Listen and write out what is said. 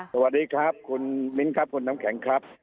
สวัสดีครับคุณมิ้นครับคุณน้ำแข็งครับ